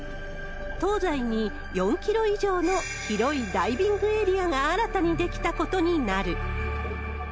東西に４キロ以上の広いダイビングエリアが新たに出来たことになる。